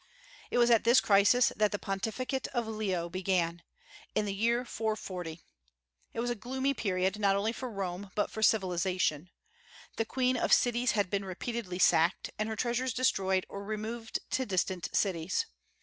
It was at this crisis that the pontificate of Leo began, in the year 440. It was a gloomy period, not only for Rome, but for civilization. The queen of cities had been repeatedly sacked, and her treasures destroyed or removed to distant cities.